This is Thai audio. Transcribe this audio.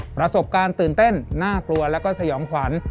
ประสบการณ์ตื่นเต้นน่ากลัวแล้วก็สยองขวัญ